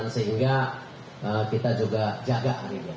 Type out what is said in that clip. sehingga kita juga jaga